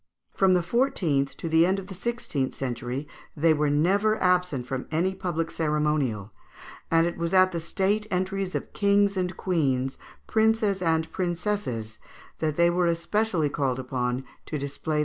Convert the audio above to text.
From the fourteenth to the end of the sixteenth century they were never absent from any public ceremonial, and it was at the state entries of kings and queens, princes and princesses, that they were especially called upon to display their talents.